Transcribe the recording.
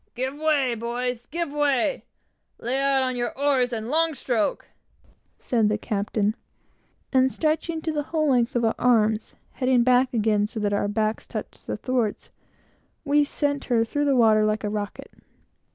"Give way, boys! Give way! Lay out on your oars, and long stroke!" said the captain; and stretching to the whole length of our arms, bending back again, so that our backs touched the thwarts, we sent her through the water like a rocket.